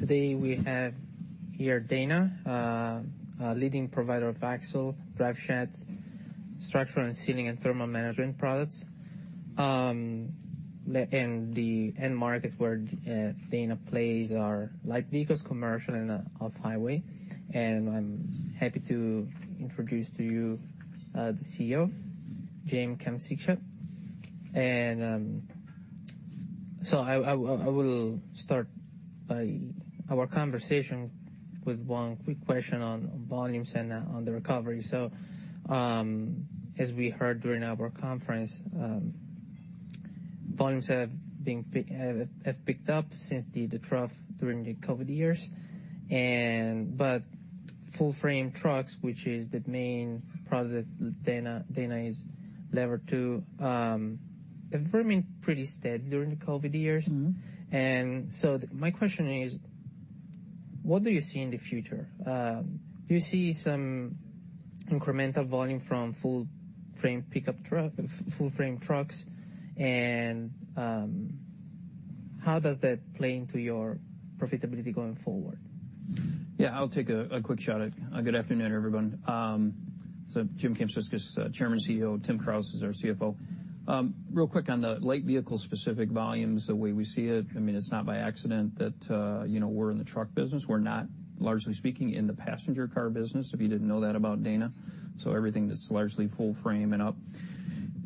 Today we have here Dana, leading provider of axles, driveshafts, structural and sealing and thermal management products. In the end markets where Dana plays are light vehicles, commercial, and off-highway. I'm happy to introduce to you the CEO, James Kamsickas. So I will start our conversation with one quick question on volumes and on the recovery. As we heard during our conference, volumes have picked up since the trough during the COVID years. But full-frame trucks, which is the main product that Dana is levered to, have remained pretty steady during the COVID years. Mm-hmm. So my question is, what do you see in the future? Do you see some incremental volume from full-frame pickup truck, full-frame trucks? How does that play into your profitability going forward? Yeah, I'll take a quick shot at a good afternoon, everyone. So Jim Kamsickas, Chairman and CEO. Tim Kraus is our CFO. Real quick on the light vehicle-specific volumes, the way we see it, I mean, it's not by accident that, you know, we're in the truck business. We're not, largely speaking, in the passenger car business, if you didn't know that about Dana. So everything that's largely full-frame and up.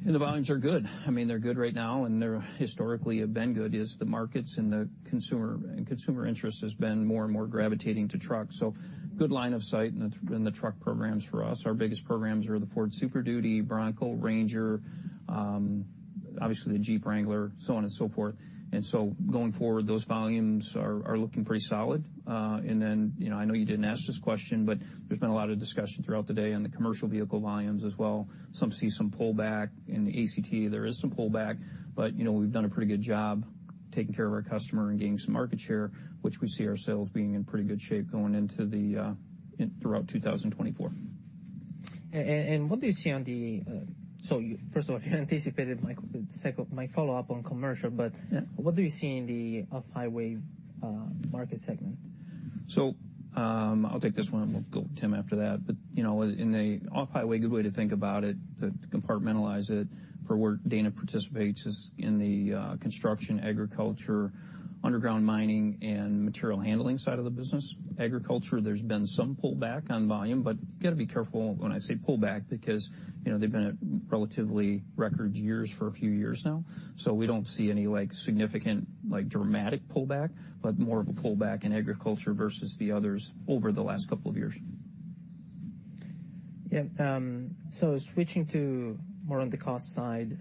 And the volumes are good. I mean, they're good right now, and they're historically have been good, is the markets and the consumer and consumer interest has been more and more gravitating to trucks. So good line of sight in the truck programs for us. Our biggest programs are the Ford Super Duty, Bronco, Ranger, obviously the Jeep Wrangler, so on and so forth. And so going forward, those volumes are looking pretty solid. Then, you know, I know you didn't ask this question, but there's been a lot of discussion throughout the day on the commercial vehicle volumes as well. Some see some pullback. In the ACT, there is some pullback. But, you know, we've done a pretty good job taking care of our customer and gaining some market share, which we see our sales being in pretty good shape going into the, throughout 2024. And what do you see on the, so you first of all, you anticipated my follow-up on commercial. Yeah. What do you see in the off-highway market segment? So, I'll take this one, and we'll go to Tim after that. But, you know, in the off-highway, good way to think about it, to compartmentalize it for where Dana participates is in the construction, agriculture, underground mining, and material handling side of the business. Agriculture, there's been some pullback on volume, but I got to be careful when I say pullback because, you know, they've been at relatively record years for a few years now. So we don't see any, like, significant, like, dramatic pullback, but more of a pullback in agriculture versus the others over the last couple of years. Yeah, so switching to more on the cost side,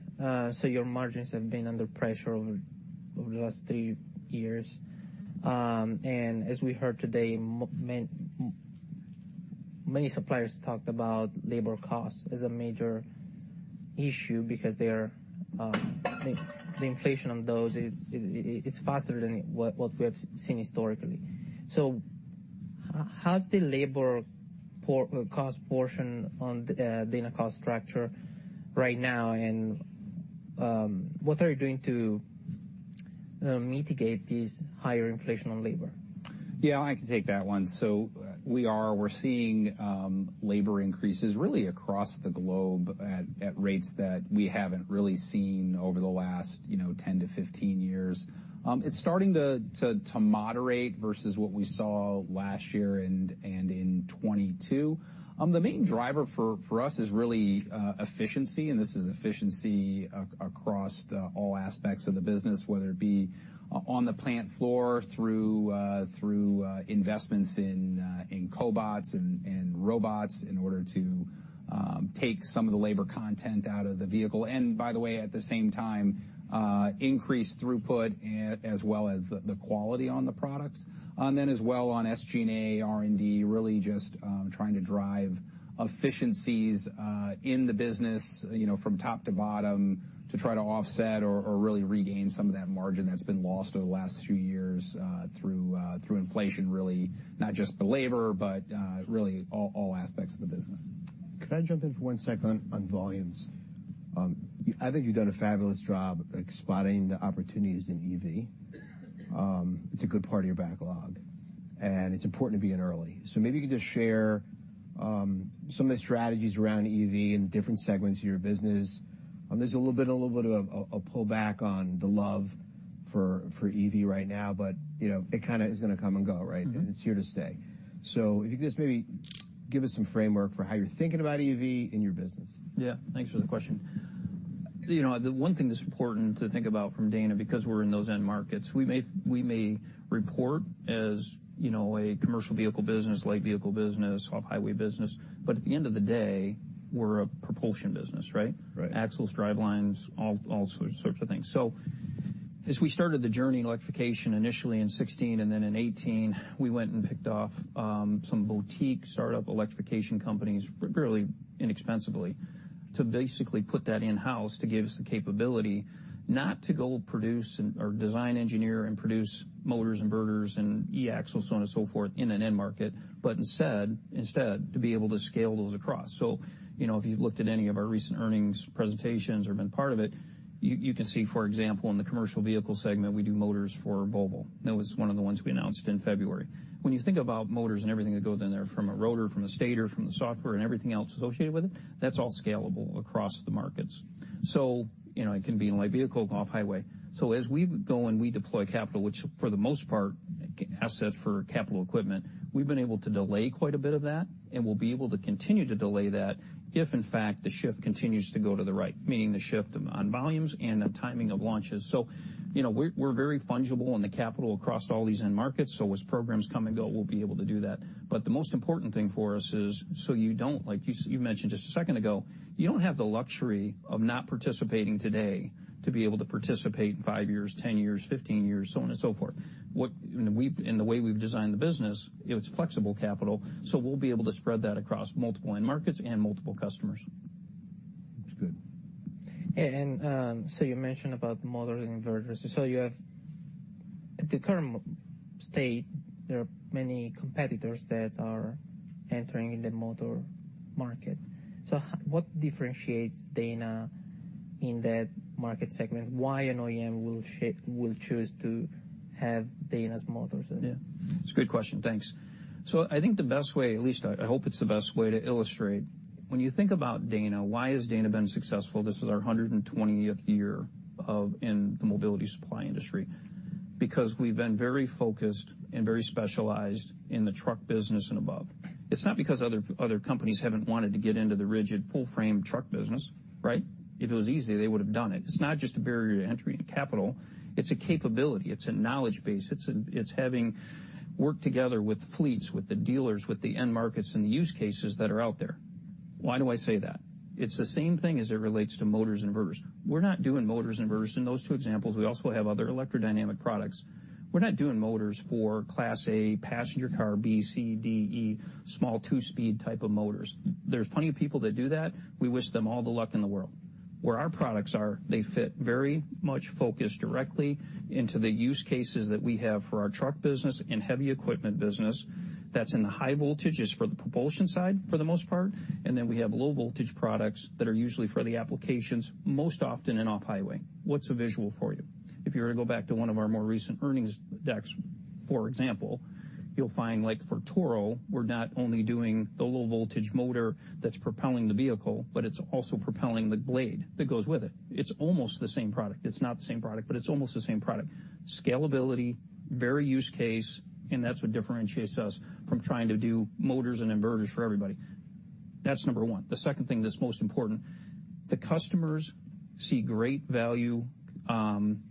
so your margins have been under pressure over the last three years. And as we heard today, many suppliers talked about labor costs as a major issue because the inflation on those is faster than what we have seen historically. So how's the labor cost portion on the Dana cost structure right now? And what are you doing to mitigate these higher inflation on labor? Yeah, I can take that one. So, we're seeing labor increases really across the globe at rates that we haven't really seen over the last 10 years to 15 years, you know. It's starting to moderate versus what we saw last year and in 2022. The main driver for us is really efficiency. And this is efficiency across all aspects of the business, whether it be on the plant floor through investments in cobots and robots in order to take some of the labor content out of the vehicle. And by the way, at the same time, increase throughput as well as the quality on the products. And then as well on SG&A, R&D, really just trying to drive efficiencies in the business, you know, from top to bottom to try to offset or really regain some of that margin that's been lost over the last few years, through inflation, really, not just the labor but really all, all aspects of the business. Could I jump in for one sec on volumes? I think you've done a fabulous job expanding the opportunities in EV. It's a good part of your backlog, and it's important to be in early. So maybe you could just share some of the strategies around EV in different segments of your business. There's a little bit of a pullback on the love for EV right now, but, you know, it kind of is gonna come and go, right? Mm-hmm It's here to stay. If you could just maybe give us some framework for how you're thinking about EV in your business? Yeah, thanks for the question. You know, the one thing that's important to think about from Dana, because we're in those end markets, we may report as, you know, a commercial vehicle business, light vehicle business, off-highway business. But at the end of the day, we're a propulsion business, right? Right. Axles, drivelines, all sorts of things. So as we started the journey in electrification initially in 2016 and then in 2018, we went and picked off some boutique startup electrification companies, really inexpensively, to basically put that in-house to give us the capability not to go produce and or design, engineer, and produce motors, inverters, and e-axles, so on and so forth in an end market, but instead, instead, to be able to scale those across. So, you know, if you've looked at any of our recent earnings presentations or been part of it, you can see, for example, in the commercial vehicle segment, we do motors for Volvo. That was one of the ones we announced in February. When you think about motors and everything that goes in there from a rotor, from a stator, from the software, and everything else associated with it, that's all scalable across the markets. So, you know, it can be in light vehicle and off-highway. So as we've gone we deploy capital, which for the most part, CapEx assets for capital equipment, we've been able to delay quite a bit of that, and we'll be able to continue to delay that if, in fact, the shift continues to go to the right, meaning the shift on volumes and the timing of launches. So, you know, we're very fungible in the capital across all these end markets. So as programs come and go, we'll be able to do that. But the most important thing for us is, so you don't, like, as you mentioned just a second ago, you don't have the luxury of not participating today to be able to participate in five years, 10 years, 15 years, so on and so forth. And we've, in the way we've designed the business, it's flexible capital, so we'll be able to spread that across multiple end markets and multiple customers. That's good. And, so you mentioned about motors and inverters. So, at the current state, there are many competitors that are entering in the motor market. So, what differentiates Dana in that market segment? Why will an OEM choose to have Dana's motors? Yeah, that's a good question. Thanks. So I think the best way at least, I, I hope it's the best way to illustrate. When you think about Dana, why has Dana been successful? This is our 120th year in the mobility supply industry. Because we've been very focused and very specialized in the truck business and above. It's not because other, other companies haven't wanted to get into the rigid full-frame truck business, right? If it was easy, they would have done it. It's not just a barrier to entry in capital. It's a capability. It's a knowledge base. It's an it's having worked together with fleets, with the dealers, with the end markets, and the use cases that are out there. Why do I say that? It's the same thing as it relates to motors and inverters. We're not doing motors and inverters in those two examples. We also have other electrodynamic products. We're not doing motors for Class A passenger car, B, C, D, E, small two-speed type of motors. There's plenty of people that do that. We wish them all the luck in the world. Where our products are, they fit very much focused directly into the use cases that we have for our truck business and heavy equipment business. That's in the high voltages for the propulsion side for the most part. And then we have low-voltage products that are usually for the applications most often in off-highway. What's a visual for you? If you were to go back to one of our more recent earnings decks, for example, you'll find, like, for Toro, we're not only doing the low-voltage motor that's propelling the vehicle, but it's also propelling the blade that goes with it. It's almost the same product. It's not the same product, but it's almost the same product. Scalability, very use case, and that's what differentiates us from trying to do motors and inverters for everybody. That's number one. The second thing, that's most important, the customers see great value and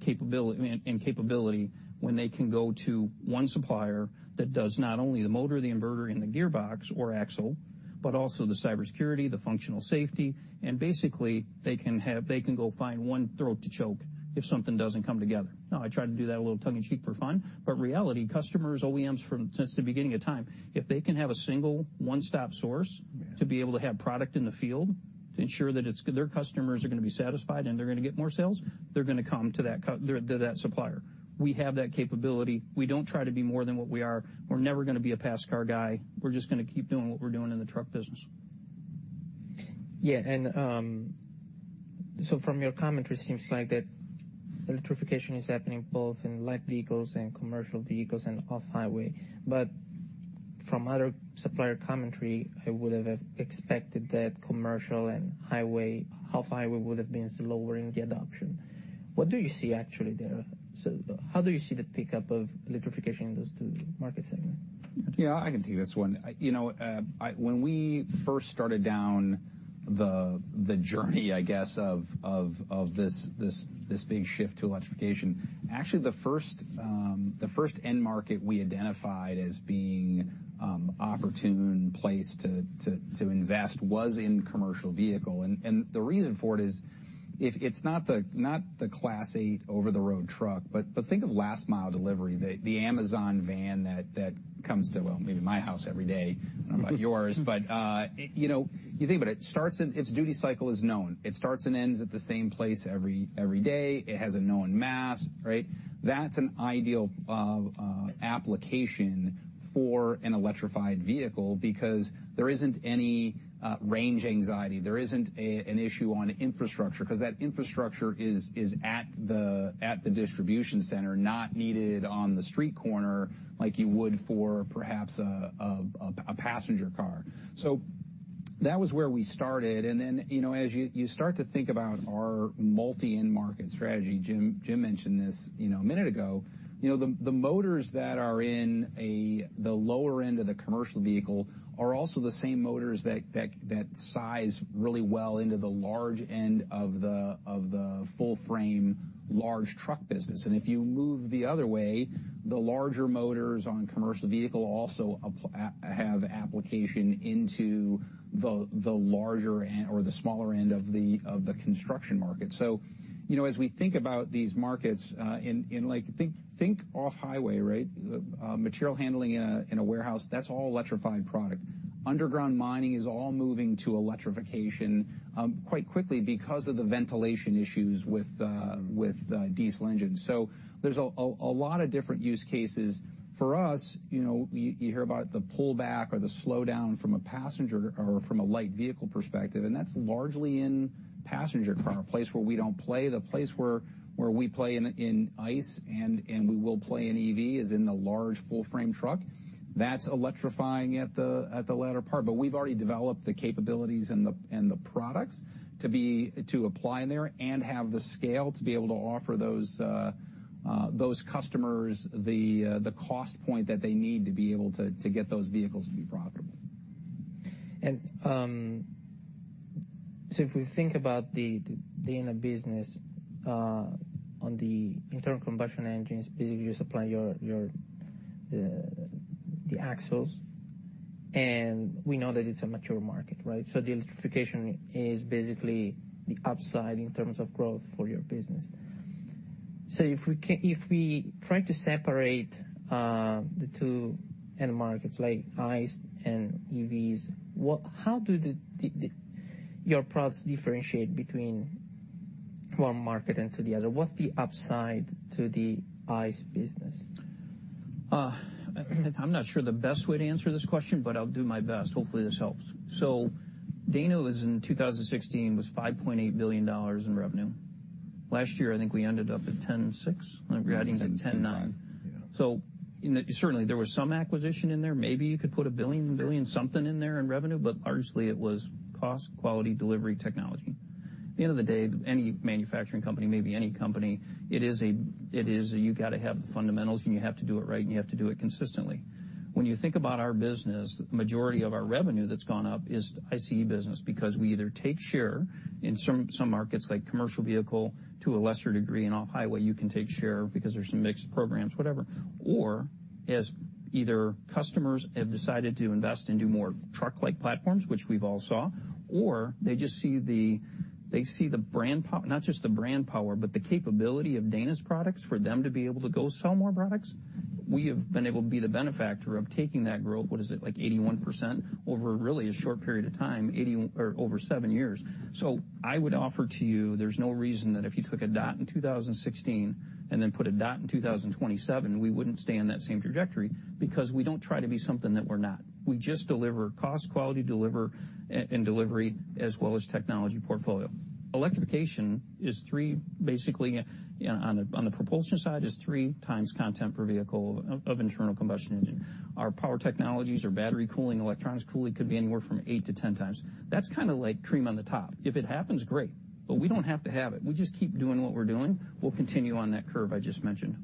capability when they can go to one supplier that does not only the motor, the inverter, and the gearbox or axle but also the cybersecurity, the functional safety. And basically, they can go find one throat to choke if something doesn't come together. Now, I try to do that a little tongue-in-cheek for fun, but reality, customers, OEMs from since the beginning of time, if they can have a single one-stop source. Yeah. To be able to have product in the field to ensure that its customers are going to be satisfied and they're going to get more sales, they're going to come to that supplier. We have that capability. We don't try to be more than what we are. We're never going to be a passenger-car guy. We're just gonna keep doing what we're doing in the truck business. Yeah. So from your commentary, it seems like that electrification is happening both in light vehicles and commercial vehicles and off-highway. But from other supplier commentary, I would have expected that commercial, on-highway, and off-highway would have been slower in the adoption. What do you see actually there? So how do you see the pickup of electrification in those two market segments? Yeah, I can take this one. You know, when we first started down the journey of this big shift to electrification, actually, the first end market we identified as being opportune place to invest was in commercial vehicle. And the reason for it is if it's not the Class 8 over-the-road truck, but think of last-mile delivery, the Amazon van that comes to, well, maybe my house every day. I don't know about yours, but you know, you think about it. It starts, and its duty cycle is known. It starts and ends at the same place every day. It has a known mass, right? That's an ideal application for an electrified vehicle because there isn't any range anxiety. There isn't an issue on infrastructure 'cause that infrastructure is at the distribution center, not needed on the street corner like you would for perhaps a passenger car. So that was where we started. And then, you know, as you start to think about our multi-end market strategy, Jim, Jim mentioned this, you know, a minute ago, you know, the motors that are in the lower end of the commercial vehicle are also the same motors that size really well into the large end of the full-frame large truck business. And if you move the other way, the larger motors on commercial vehicle also have application into the larger end or the smaller end of the construction market. So, you know, as we think about these markets, in like think off-highway, right? Material handling in a warehouse, that's all electrified product. Underground mining is all moving to electrification, quite quickly because of the ventilation issues with diesel engines. So there's a lot of different use cases. For us, you know, you hear about the pullback or the slowdown from a passenger or from a light vehicle perspective, and that's largely in passenger car, a place where we don't play, the place where we play in ICE and we will play in EV is in the large full-frame truck. That's electrifying at the latter part. But we've already developed the capabilities and the products to apply in there and have the scale to be able to offer those customers the cost point that they need to be able to get those vehicles to be profitable. So if we think about the inner business on the internal combustion engines, basically, you supply your axles. And we know that it's a mature market, right? So the electrification is basically the upside in terms of growth for your business. So if we try to separate the two end markets like ICE and EVs, how do your products differentiate between one market and the other? What's the upside to the ICE business? I'm not sure the best way to answer this question, but I'll do my best. Hopefully, this helps. Dana was in 2016 $5.8 billion in revenue. Last year, I think we ended up at $10.6 billion. We're adding to 10.9. 10.9. Yeah. So, in certainty, there was some acquisition in there. Maybe you could put $1 billion, $1 billion something in there in revenue, but largely, it was cost, quality, delivery, technology. At the end of the day, any manufacturing company, maybe any company, it is a it is a you got to have the fundamentals, and you have to do it right, and you have to do it consistently. When you think about our business, the majority of our revenue that's gone up is ICE business because we either take share in some, some markets like commercial vehicle to a lesser degree. And off-highway, you can take share because there's some mixed programs, whatever. Or as either customers have decided to invest and do more truck-like platforms, which we've all saw, or they just see the they see the brand power not just the brand power but the capability of Dana's products for them to be able to go sell more products. We have been able to be the benefactor of taking that growth. What is it? Like 81% over really a short period of time, 81% or over seven years. So I would offer to you there's no reason that if you took a dot in 2016 and then put a dot in 2027, we wouldn't stay on that same trajectory because we don't try to be something that we're not. We just deliver cost, quality, and delivery as well as technology portfolio. Electrification is three basically, you know, on the propulsion side is 3x content per vehicle of internal combustion engine. Our power technologies, our battery cooling, electronics cooling could be anywhere from 8x to 10x. That's kind of like cream on the top. If it happens, great. But we don't have to have it. We just keep doing what we're doing. We'll continue on that curve I just mentioned.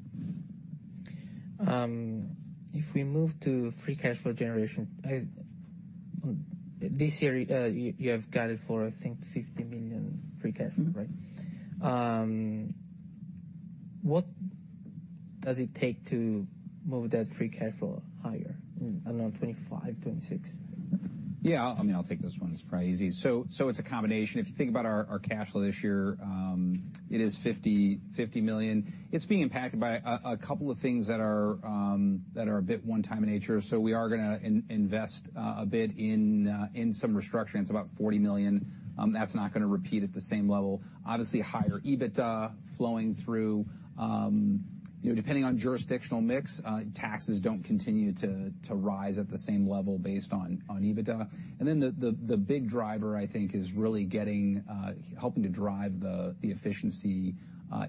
If we move to free cash flow generation, on this year, you have got it for, I think, $50 million free cash flow, right? Mm-hmm. What does it take to move that free cash flow higher? I don't know, 2025, 2026? Yeah. I'll, I mean, I'll take this one. It's probably easy. So it's a combination. If you think about our cash flow this year, it is $50 million. It's being impacted by a couple of things that are a bit one-time in nature. So we are going to invest a bit in some restructuring. It's about $40 million. That's not going to repeat at the same level. Obviously, higher EBITDA flowing through. You know, depending on jurisdictional mix, taxes don't continue to rise at the same level based on EBITDA. And then the big driver, I think, is really getting, helping to drive the efficiency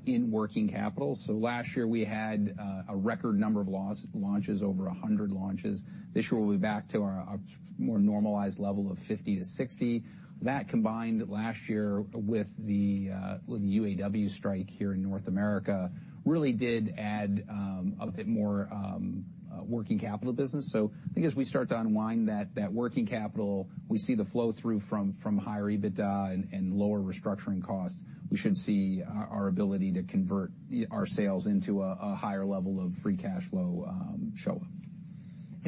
in working capital. So last year, we had a record number of new launches, over 100 launches. This year, we'll be back to our more normalized level of 50 to 60. That combined last year with the UAW strike here in North America really did add a bit more working capital business. So I think as we start to unwind that working capital, we see the flow through from higher EBITDA and lower restructuring costs; we should see our ability to convert our sales into a higher level of free cash flow show up.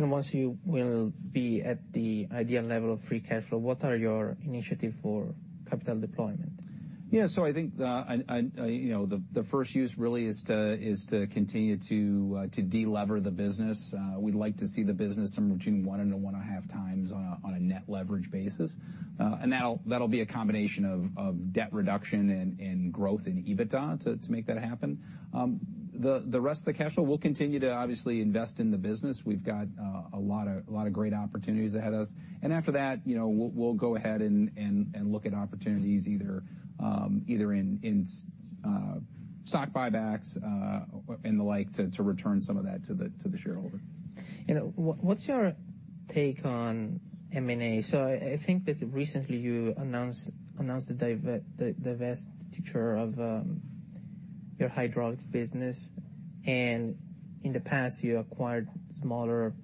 Once you will be at the ideal level of free cash flow, what are your initiative for capital deployment? Yeah. So I think, you know, the first use really is to continue to delever the business. We'd like to see the business somewhere between 1x and 1.5x on a net leverage basis. And that'll be a combination of debt reduction and growth in EBITDA to make that happen. The rest of the cash flow, we'll continue to obviously invest in the business. We've got a lot of great opportunities ahead of us. And after that, you know, we'll go ahead and look at opportunities either in stock buybacks and the like to return some of that to the shareholder. And what's your take on M&A? So I think that recently, you announced the divestiture of your hydraulics business. And in the past, you acquired smaller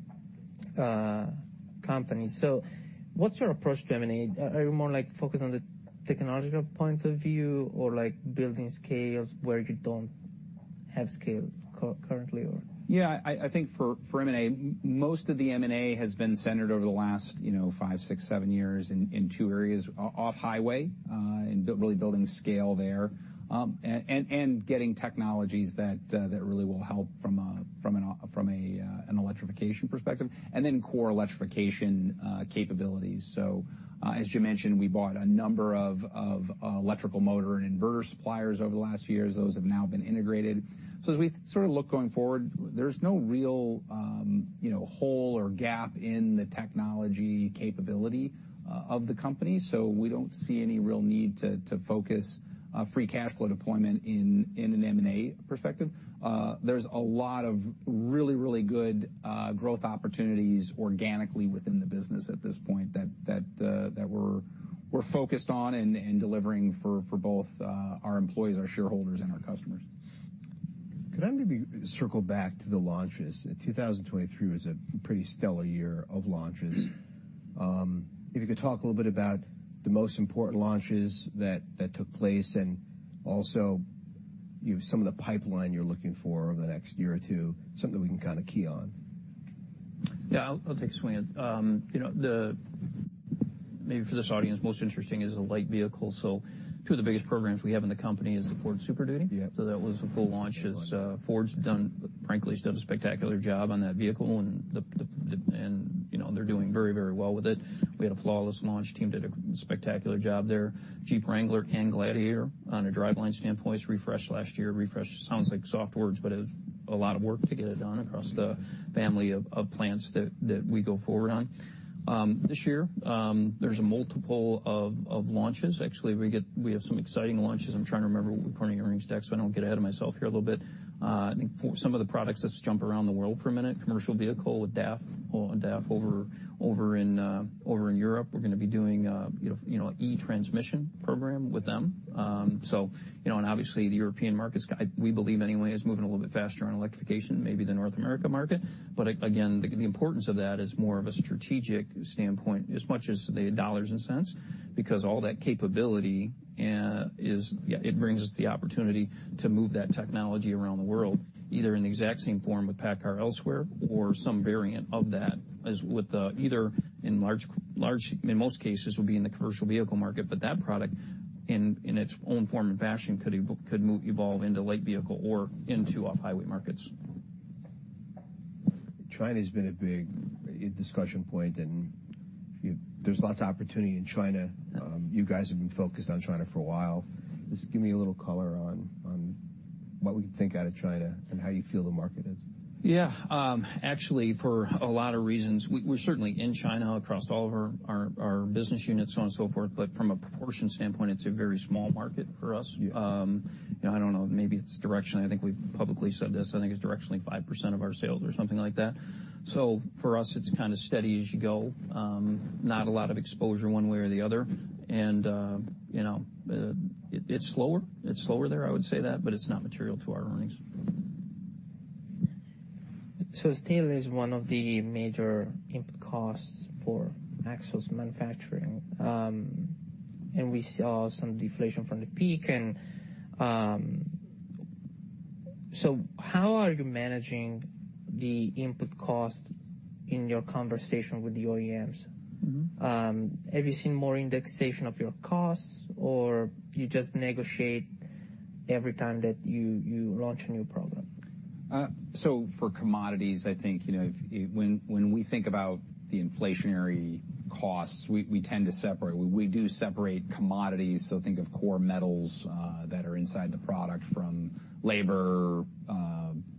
companies. So what's your approach to M&A? Are you more like focused on the technological point of view or like building scale where you don't have scale currently or? Yeah. I think for M&A, most of the M&A has been centered over the last, you know, five, six, seven years in two areas, off-highway, and really building scale there, and getting technologies that really will help from an electrification perspective, and then core electrification capabilities. So, as Jim mentioned, we bought a number of electrical motor and inverter suppliers over the last few years. Those have now been integrated. So as we sort of look going forward. There's no real, you know, hole or gap in the technology capability of the company. So we don't see any real need to focus free cash flow deployment in an M&A perspective. There's a lot of really good growth opportunities organically within the business at this point that we're focused on and delivering for both our employees, our shareholders, and our customers. Could I maybe circle back to the launches? 2023 was a pretty stellar year of launches. If you could talk a little bit about the most important launches that took place and also, you know, some of the pipeline you're looking for over the next year or two, something that we can kinda key on. Yeah. I'll take a swing. You know, the maybe for this audience most interesting is the light vehicle. So two of the biggest programs we have in the company is the Ford Super Duty. Yep. So that was a cool launch because Ford's done, frankly, has done a spectacular job on that vehicle, and you know, they're doing very, very well with it. We had a flawless launch. The team did a spectacular job there. Jeep Wrangler and Gladiator, on a driveline standpoint, is refreshed last year. Refreshed sounds like soft words, but it was a lot of work to get it done across the family of plants that we go forward on. This year, there's a multiple of launches. Actually, we have some exciting launches. I'm trying to remember what we're putting in earnings deck, so I don't get ahead of myself here a little bit. I think for some of the products, let's jump around the world for a minute. Commercial vehicle with DAF over in Europe, we're gonna be doing, you know, an e-transmission program with them. So, you know, and obviously, the European market's going to, we believe anyway, is moving a little bit faster on electrification, maybe the North America market. But again, the importance of that is more of a strategic standpoint as much as the dollars and cents because all that capability is yeah. It brings us the opportunity to move that technology around the world either in the exact same form with PACCAR elsewhere or some variant of that as with either in large commercial, in most cases, will be in the commercial vehicle market. But that product, in its own form and fashion, could evolve into light vehicle or into off-highway markets. China's been a big discussion point, and there's lots of opportunity in China. You guys have been focused on China for a while. Just give me a little color on what we can think out of China and how you feel the market is. Yeah, actually, for a lot of reasons, we're certainly in China across all of our business units, so on and so forth. But from a proportion standpoint, it's a very small market for us. Yeah. You know, I don't know. Maybe it's directionally. I think we've publicly said this. I think it's directionally 5% of our sales or something like that. So for us, it's kind of steady as you go, not a lot of exposure one way or the other. And, you know, it's slower. It's slower there, I would say that, but it's not material to our earnings. So steel is one of the major input costs for axles manufacturing. We saw some deflation from the peak. So how are you managing the input cost in your conversation with the OEMs? Mm-hmm. Have you seen more indexation of your costs, or you just negotiate every time that you launch a new program? So for commodities, I think, you know, when we think about the inflationary costs, we tend to separate. We do separate commodities. So think of core metals that are inside the product from labor,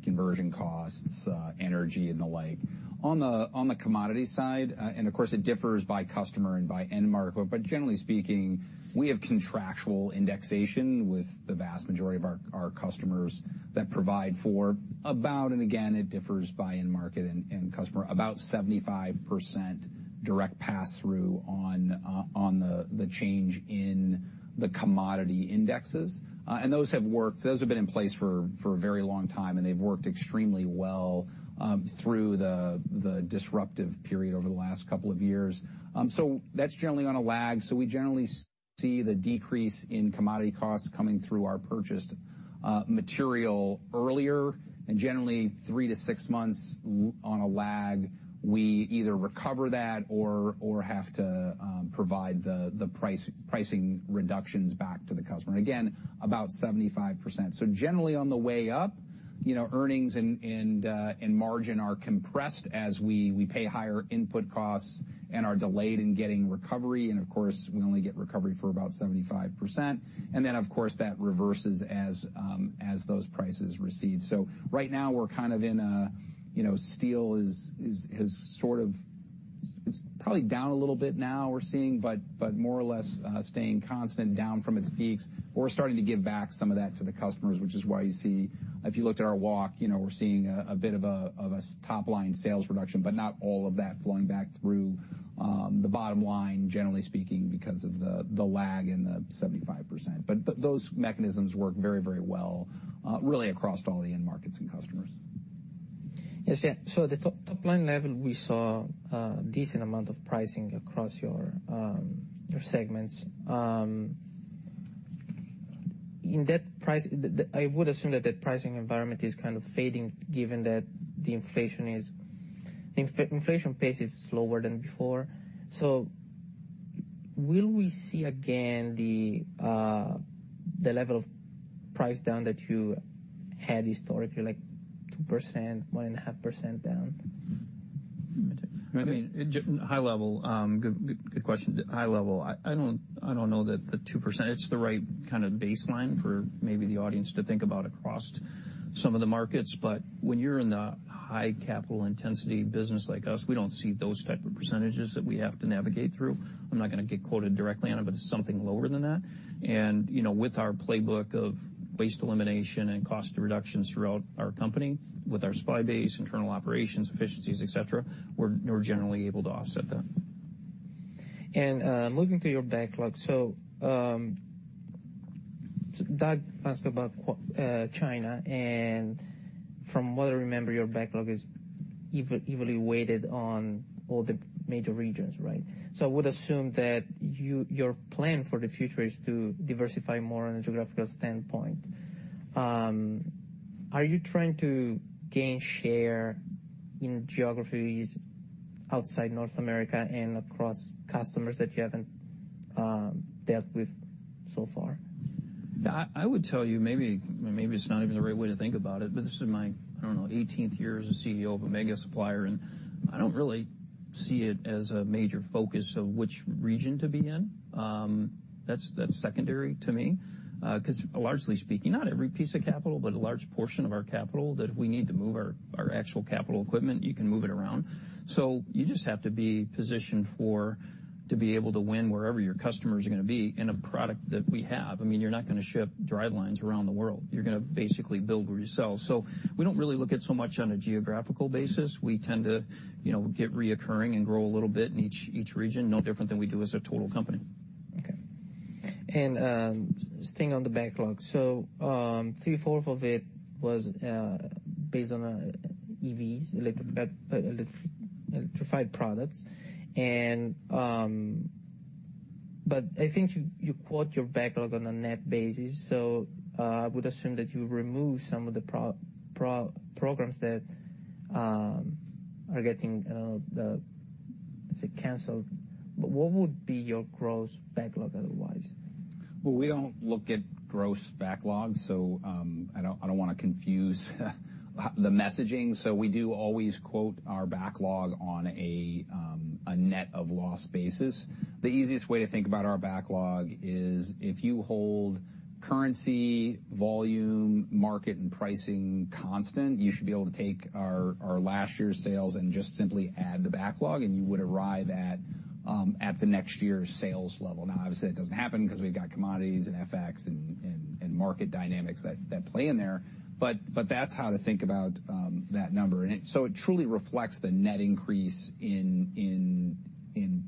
conversion costs, energy, and the like. On the commodity side, and of course, it differs by customer and by end market. But generally speaking, we have contractual indexation with the vast majority of our customers that provide for about, and again, it differs by end market and customer, about 75% direct pass-through on the change in the commodity indexes. And those have been in place for a very long time, and they've worked extremely well through the disruptive period over the last couple of years. So that's generally on a lag. So we generally see the decrease in commodity costs coming through our purchased material earlier. And generally, three to six months lag, we either recover that or have to provide the pricing reductions back to the customer. And again, about 75%. So generally, on the way up, you know, earnings and margin are compressed as we pay higher input costs and are delayed in getting recovery. And of course, we only get recovery for about 75%. And then, of course, that reverses as those prices recede. So right now, we're kind of in a, you know, steel is, has sort of it's probably down a little bit now, we're seeing, but more or less staying constant, down from its peaks. We're starting to give back some of that to the customers, which is why you see if you looked at our walk, you know, we're seeing a bit of a top-line sales reduction, but not all of that flowing back through the bottom line, generally speaking, because of the lag and the 75%. But those mechanisms work very, very well, really across all the end markets and customers. Yes. Yeah. So at the top, top-line level, we saw a decent amount of pricing across your, your segments. In that pricing, it I would assume that that pricing environment is kind of fading given that the inflation pace is slower than before. So will we see again the level of price down that you had historically, like 2%, 1.5% down? Let me take that. I mean, at a high level, good question. At a high level, I don't know that the 2% is the right kind of baseline for maybe the audience to think about across some of the markets. But when you're in the high-capital-intensity business like us, we don't see those type of percentages that we have to navigate through. I'm not going to get quoted directly on it, but it's something lower than that. And, you know, with our playbook of waste elimination and cost reductions throughout our company, with our supply base, internal operations, efficiencies, etc., we're generally able to offset that. Moving to your backlog. Doug asked about China. From what I remember, your backlog is evenly weighted on all the major regions, right? So I would assume that your plan for the future is to diversify more on a geographical standpoint. Are you trying to gain share in geographies outside North America and across customers that you haven't dealt with so far? Yeah. I would tell you maybe, maybe it's not even the right way to think about it, but this is my, I don't know, 18th year as a CEO of a mega supplier. And I don't really see it as a major focus of which region to be in. That's, that's secondary to me, because largely speaking, not every piece of capital, but a large portion of our capital that if we need to move our, our actual capital equipment, you can move it around. So you just have to be positioned for to be able to win wherever your customers are going to be in a product that we have. I mean, you're not gonna ship drivelines around the world. You're going to basically build where you sell. So we don't really look at so much on a geographical basis. We tend to, you know, get recurring and grow a little bit in each region, no different than we do as a total company. Okay. Staying on the backlog. So, 3/4 of it was based on EVs, electrified products. But I think you quote your backlog on a net basis. So, I would assume that you remove some of the programs that are getting, I don't know, let's say, canceled. But what would be your gross backlog otherwise? Well, we don't look at gross backlog. So, I don't want to confuse the messaging. So we do always quote our backlog on a net of loss basis. The easiest way to think about our backlog is if you hold currency, volume, market, and pricing constant, you should be able to take our last year's sales and just simply add the backlog, and you would arrive at the next year's sales level. Now, obviously, that doesn't happen because we've got commodities and FX and market dynamics that play in there. But that's how to think about that number. And so it truly reflects the net increase in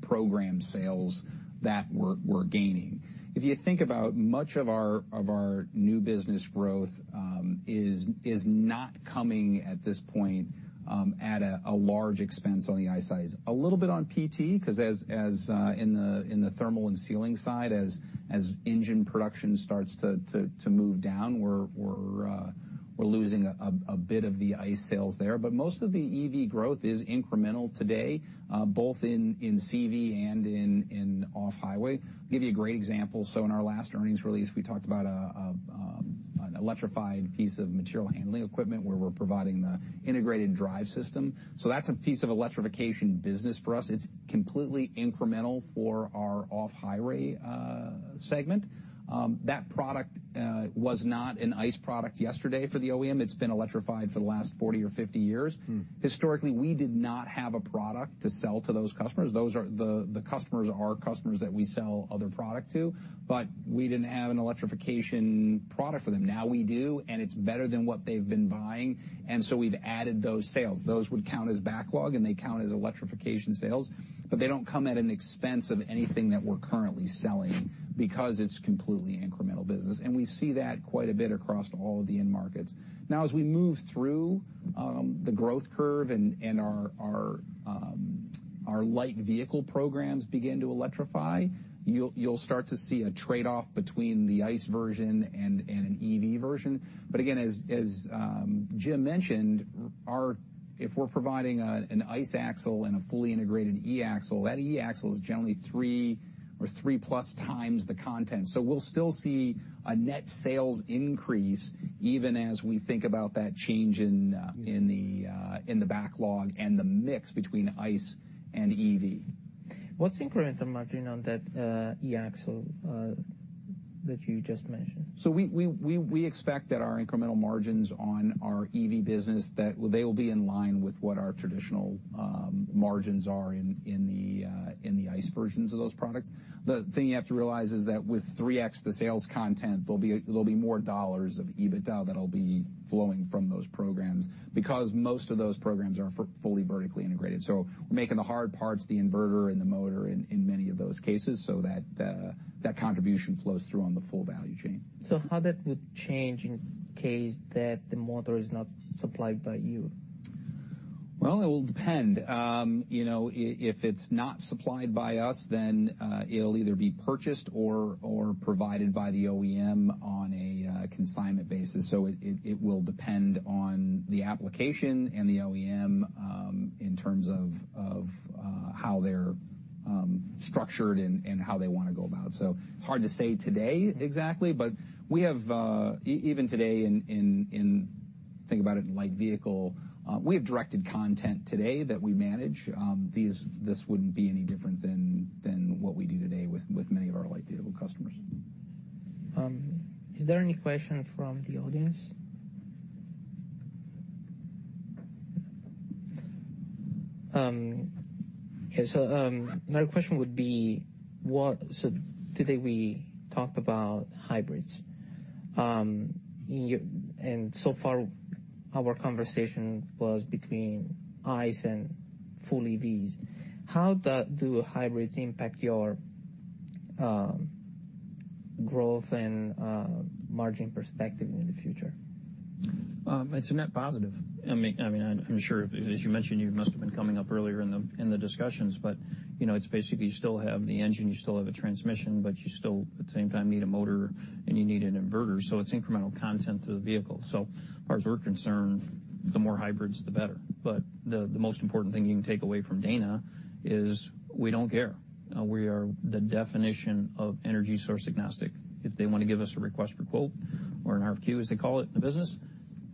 program sales that we're gaining. If you think about much of our new business growth is not coming at this point at a large expense on the ICE side. It's a little bit on PT because as in the thermal and sealing side, as engine production starts to move down, we're losing a bit of the ICE sales there. But most of the EV growth is incremental today, both in CV and in off-highway. I'll give you a great example. So in our last earnings release, we talked about an electrified piece of material handling equipment where we're providing the integrated drive system. So that's a piece of electrification business for us. It's completely incremental for our off-highway segment. That product was not an ICE product yesterday for the OEM. It's been electrified for the last 40 or 50 years. Historically, we did not have a product to sell to those customers. Those are the customers that we sell other product to. But we didn't have an electrification product for them. Now we do, and it's better than what they've been buying. And so we've added those sales. Those would count as backlog, and they count as electrification sales. But they don't come at an expense of anything that we're currently selling because it's completely incremental business. And we see that quite a bit across all of the end markets. Now, as we move through the growth curve and our light vehicle programs begin to electrify, you'll start to see a trade-off between the ICE version and an EV version. But again, as Jim mentioned, our, if we're providing an ICE axle and a fully integrated E-axle, that E-axle is generally 3x or 3+x the content. So we'll still see a net sales increase even as we think about that change in the backlog and the mix between ICE and EV. What's the incremental margin on that, E-axle, that you just mentioned? So we expect that our incremental margins on our EV business that they will be in line with what our traditional margins are in the ICE versions of those products. The thing you have to realize is that with 3x the sales content, there'll be more dollars of EBITDA that'll be flowing from those programs because most of those programs are fully vertically integrated. So we're making the hard parts, the inverter and the motor, in many of those cases so that contribution flows through on the full value chain. So how that would change in case that the motor is not supplied by you? Well, it will depend. You know, if it's not supplied by us, then it'll either be purchased or provided by the OEM on a consignment basis. So it will depend on the application and the OEM, in terms of how they're structured and how they want to go about. So it's hard to say today exactly, but we have even today in, think about it in light vehicle, we have directed content today that we manage. This wouldn't be any different than what we do today with many of our light vehicle customers. Is there any question from the audience? Yeah. So, another question would be, so today, we talked about hybrids. In your view, and so far, our conversation was between ICE and full EVs. How do hybrids impact your growth and margin perspective in the future? It's a net positive. I mean, I'm sure if, as you mentioned, you must have been coming up earlier in the discussions. But, you know, it's basically you still have the engine. You still have a transmission, but you still, at the same time, need a motor, and you need an inverter. So it's incremental content to the vehicle. So as far as we're concerned, the more hybrids, the better. But the most important thing you can take away from Dana is we don't care. We are the definition of energy source agnostic. If they want to give us a request for quote or an RFQ, as they call it in the business,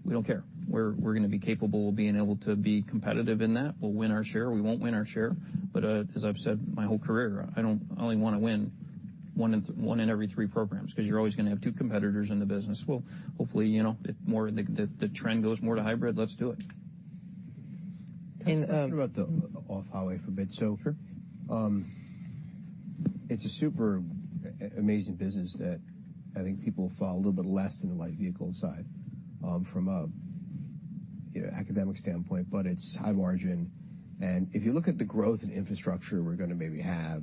we don't care. We're going to be capable of being able to be competitive in that. We'll win our share. We won't win our share. But, as I've said my whole career, I only want to win one in every three programs 'because you're always going to have two competitors in the business. We'll hopefully, you know, if more of the trend goes more to hybrid, let's do it. I thought about the off-highway for a bit. Sure. It's a super amazing business that I think people follow a little bit less than the light vehicle side, from a, you know, academic standpoint. But it's high margin. And if you look at the growth and infrastructure we're gonna maybe have,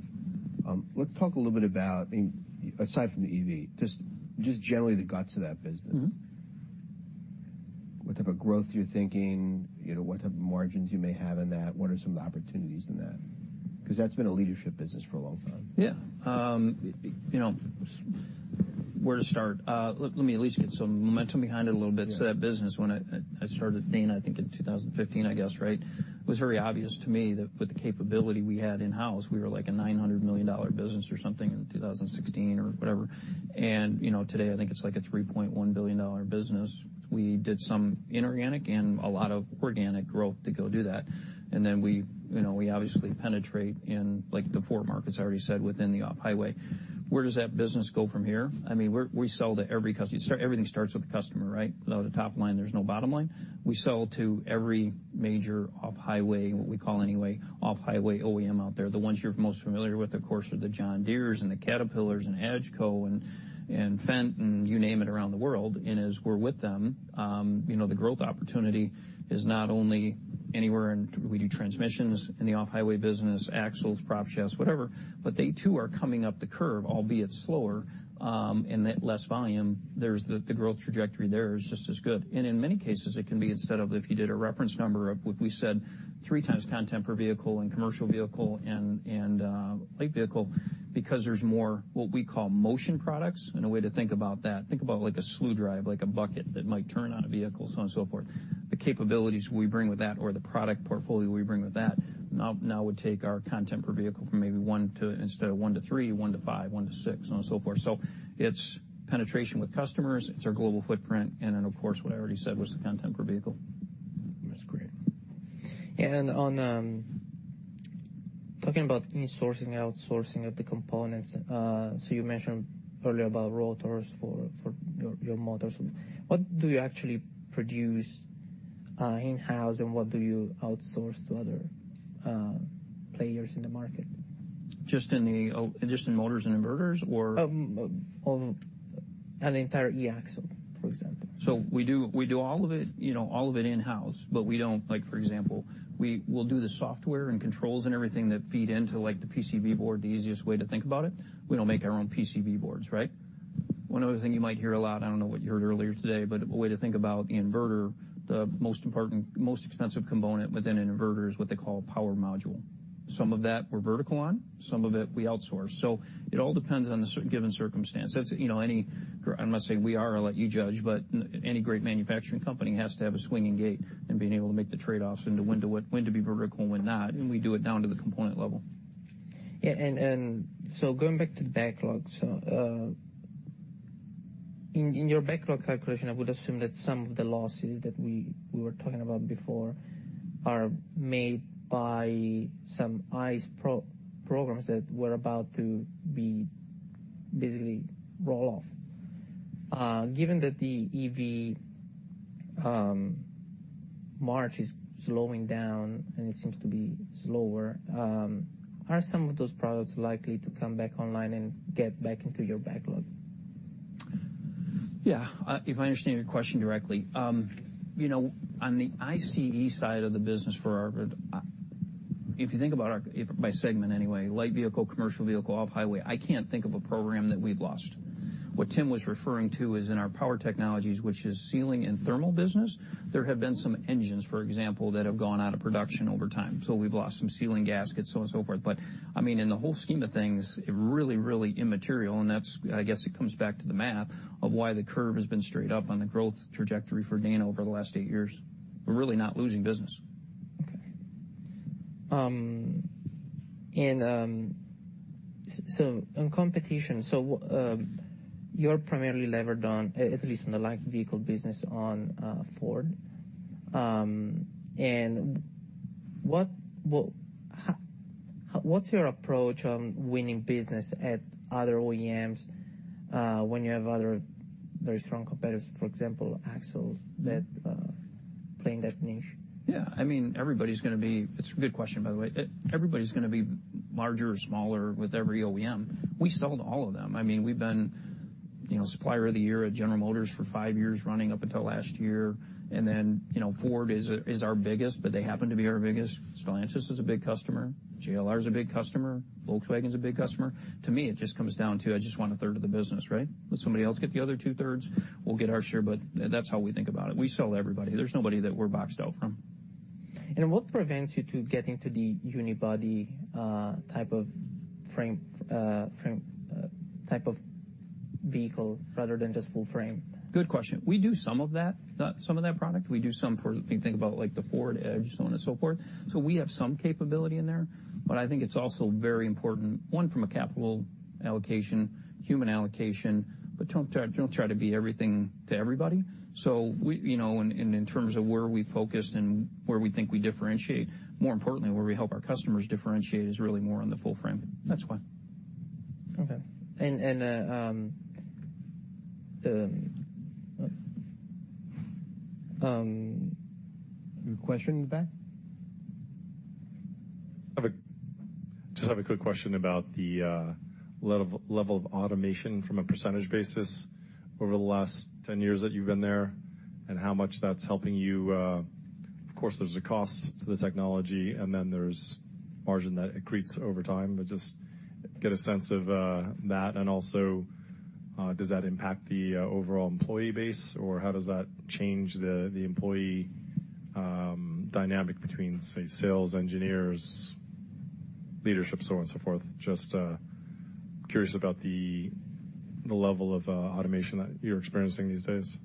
let's talk a little bit about, I mean, why aside from the EV, just, just generally the guts of that business. Mm-hmm. What type of growth you're thinking, you know, what type of margins you may have in that, what are some of the opportunities in that 'cause that's been a leadership business for a long time? Yeah. You know, so where to start? Let me at least get some momentum behind it a little bit. Yeah. So that business when I started Dana, I think, in 2015, right. It was very obvious to me that with the capability we had in-house, we were like a $900 million business or something in 2016 or whatever. You know, today, I think it's like a $3.1 billion business. We did some inorganic and a lot of organic growth to go do that. And then we, you know, we obviously penetrate in, like, the four markets I already said, within the off-highway. Where does that business go from here? I mean, we're, we sell to every customer. You start everything starts with the customer, right? Without a top line, there's no bottom line. We sell to every major off-highway what we call anyway off-highway OEM out there. The ones you're most familiar with, of course, are the John Deeres and the Caterpillars and AGCO and Fendt and you name it around the world. As we're with them, you know, the growth opportunity is not only anywhere we do transmissions in the off-highway business, axles, prop shafts, whatever, but they, too, are coming up the curve, albeit slower, in that less volume. There's the growth trajectory there is just as good. In many cases, it can be instead of if you did a reference number of if we said 3x content per vehicle and commercial vehicle and light vehicle because there's more what we call motion products and a way to think about that, like, a slew drive, like a bucket that might turn on a vehicle, so on and so forth. The capabilities we bring with that or the product portfolio we bring with that now would take our content per vehicle from maybe 1 to instead of 1 to 3, 1 to 5, 1 to 6, so on and so forth. So it's penetration with customers. It's our global footprint. And then, of course, what I already said was the content per vehicle. That's great. Talking about insourcing and outsourcing of the components, so you mentioned earlier about rotors for your motors. What do you actually produce in-house, and what do you outsource to other players in the market? Just in motors and inverters, or? An entire E-axle, for example. So we do all of it, you know, all of it in-house. But we don't, like, for example, we'll do the software and controls and everything that feed into, like, the PCB board. The easiest way to think about it, we don't make our own PCB boards, right? One other thing you might hear a lot. I don't know what you heard earlier today, but a way to think about the inverter, the most important most expensive component within an inverter is what they call a power module. Some of that we're vertical on. Some of it, we outsource. So it all depends on the given circumstance. That's, you know, any gray. I'm not saying we are. I'll let you judge. But in any great manufacturing company has to have a swinging gate in being able to make the trade-offs into when to what when to be vertical and when not. And we do it down to the component level. Yeah. And so going back to the backlog, so, in your backlog calculation, I would assume that some of the losses that we were talking about before are made by some ICE programs that were about to basically roll off. Given that the EV market is slowing down, and it seems to be slower, are some of those products likely to come back online and get back into your backlog? Yeah. If I understand your question directly, you know, on the ICE side of the business for our PT, if you think about our, if by segment anyway, light vehicle, commercial vehicle, off-highway, I can't think of a program that we've lost. What Tim was referring to is in our power technologies, which is sealing and thermal business, there have been some engines, for example, that have gone out of production over time. So we've lost some sealing gaskets, so on and so forth. But I mean, in the whole scheme of things, it really, really immaterial. And it comes back to the math of why the curve has been straight up on the growth trajectory for Dana over the last eight years. We're really not losing business. Okay. So on competition, so what you're primarily levered on, at least in the light vehicle business, on Ford. And what's your approach on winning business at other OEMs, when you have other very strong competitors, for example, axles that play in that niche? Yeah. I mean, everybody's going to be. It's a good question, by the way. Everybody's gonna be larger or smaller with every OEM. We sell to all of them. I mean, we've been, you know, supplier of the year at General Motors for five years running up until last year. And then, you know, Ford is our biggest, but they happen to be our biggest. Stellantis is a big customer. JLR's a big customer. Volkswagen's a big customer. To me, it just comes down to I just want a 1/3 of the business, right? Let somebody else get the other 2/3. We'll get our share. But that's how we think about it. We sell to everybody. There's nobody that we're boxed out from. What prevents you to get into the unibody type of frame, type of vehicle rather than just full-frame? Good question. We do some of that, some of that product. We do some for if you think about, like, the Ford Edge, so on and so forth. So we have some capability in there. But I think it's also very important, one, from a capital allocation, human allocation. But don't try to be everything to everybody. So we, you know, in terms of where we focus and where we think we differentiate, more importantly, where we help our customers differentiate is really more on the full frame. That's why. Okay. And, you have a question, Doug? I just have a quick question about the level of automation from a percentage basis over the last 10 years that you've been there and how much that's helping you. Of course, there's the costs to the technology, and then there's margin that accretes over time. But just get a sense of that. And also, does that impact the overall employee base, or how does that change the employee dynamic between, say, sales, engineers, leadership, so on and so forth? Just curious about the level of automation that you're experiencing these days.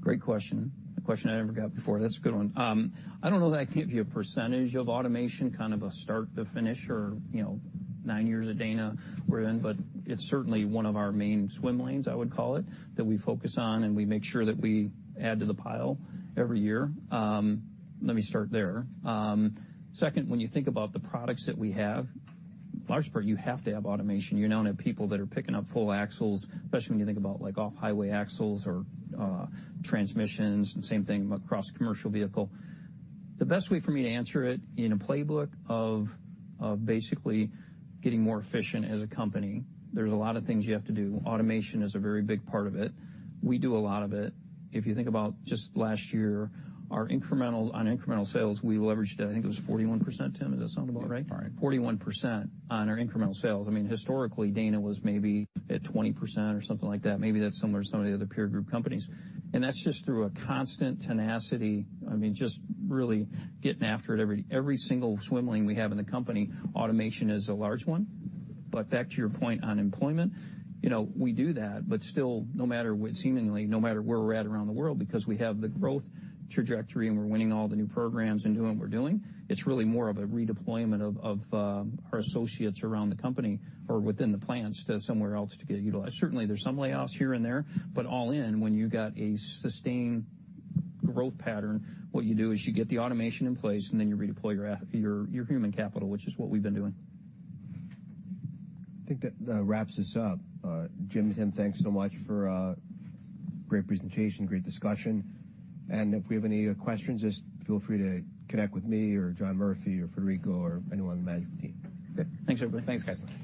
Great question. A question I never got before. That's a good one. I don't know that I can give you a percentage of automation, kind of a start to finish or, you know, nine years at Dana, we're in. But it's certainly one of our main swim lanes, I would call it, that we focus on, and we make sure that we add to the pile every year. Let me start there. Second, when you think about the products that we have, in large part, you have to have automation. You now have people that are picking up full axles, especially when you think about, like, off-highway axles or, transmissions, and same thing across commercial vehicle. The best way for me to answer it, in a playbook of basically getting more efficient as a company, there's a lot of things you have to do. Automation is a very big part of it. We do a lot of it. If you think about just last year, our incrementals on incremental sales, we leveraged it. I think it was 41%, Tim. Does that sound about right? Yeah. Sorry. 41% on our incremental sales. I mean, historically, Dana was maybe at 20% or something like that. Maybe that's similar to some of the other peer group companies. And that's just through a constant tenacity. I mean, just really getting after it every, every single swim lane we have in the company. Automation is a large one. But back to your point on employment, you know, we do that. But still, no matter what seemingly, no matter where we're at around the world because we have the growth trajectory, and we're winning all the new programs and doing what we're doing, it's really more of a redeployment of our associates around the company or within the plants to somewhere else to get utilized. Certainly, there's some layoffs here and there. But all in, when you got a sustained growth pattern, what you do is you get the automation in place, and then you redeploy your human capital, which is what we've been doing. I think that wraps us up. Jim, Tim, thanks so much for great presentation, great discussion. If we have any questions, just feel free to connect with me or John Murphy or Federico or anyone on the management team. Okay. Thanks, everybody. Thanks, guys.